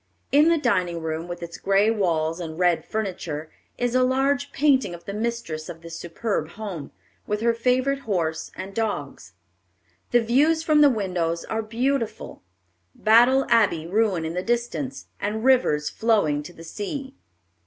In the dining room, with its gray walls and red furniture, is a large painting of the mistress of this superb home, with her favorite horse and dogs. The views from the windows are beautiful, Battle Abbey ruin in the distance, and rivers flowing to the sea.